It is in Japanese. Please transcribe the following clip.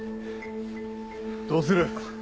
どうする？